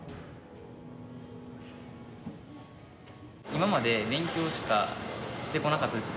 今まで勉強しかしてこなかった。